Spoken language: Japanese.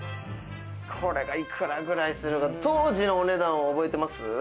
これが幾らぐらいするか当時のお値段覚えてます？